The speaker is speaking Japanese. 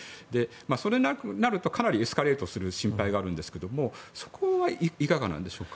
それになるとかなりエスカレートする心配がありますがそこはいかがなんでしょうか？